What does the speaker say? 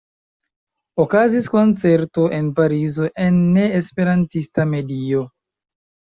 Okazis koncerto en Parizo en ne-esperantista medio.